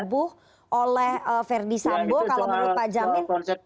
yang sudah dihukum oleh ferdis sambo kalau menurut pak jamin